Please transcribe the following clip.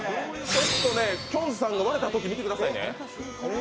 きょんさんが割れたとき、見てくださいね。